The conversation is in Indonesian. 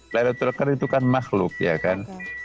laylatul qadar itu kan makhluk ya kan